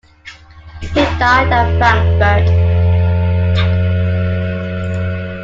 He died at Frankfurt.